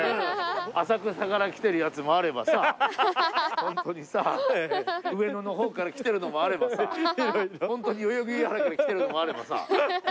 浅草から来てるやつもあればさホントにさ上野の方から来てるのもあればさホントに代々木上原から来てるのもあればさすごい。